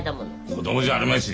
子供じゃあるまいし。